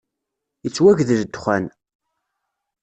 Yettwagdel ddexxan!